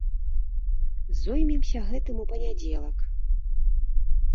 Зоймемся гэтым у панядзелак.